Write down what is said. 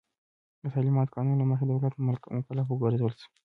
د تعلیماتو قانون له مخې دولت مکلف وګرځول شو.